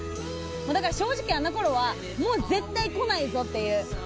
だから正直あの頃はもう絶対来ないぞっていう。